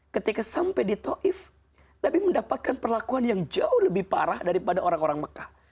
ketika sampai di taif ⁇ nabi mendapatkan perlakuan yang jauh lebih parah daripada orang orang mekah